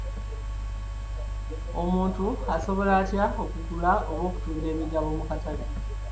Omuntu asobola atya okugula oba okutunda emigabo mu katale?